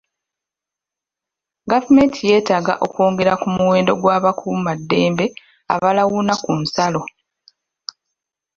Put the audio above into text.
Gavumenti yeetaaga okwongera ku muwendo gw'abakuumaddembe abalawuna ku nsalo.